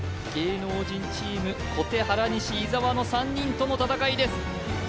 芸能人チーム小手原西伊沢の３人との戦いです